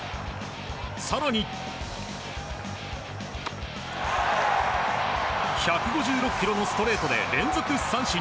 更に、１５６キロのストレートで連続三振。